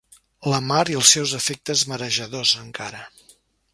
La mar i els seus efectes marejadors, encara.